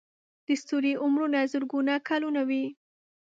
د ستوري عمرونه زرګونه کلونه وي.